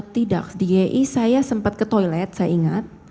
tidak di yi saya sempat ke toilet saya ingat